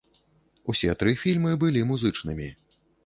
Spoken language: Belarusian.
Усе тры фільмы былі музычнымі.